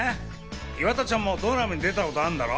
岩田ちゃんもドラマに出たことあんだろう？